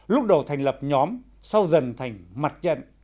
lúc đầu thành lập nhóm sau dần thành mặt trận